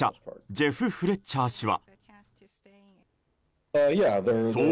ジェフ・フレッチャー氏は。